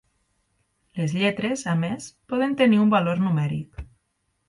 Les lletres, a més, poden tenir un valor numèric.